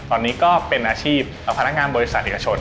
ตอนนี้ก็เป็นอาชีพพนักงานบริษัทเอกชน